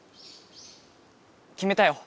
きめたよ。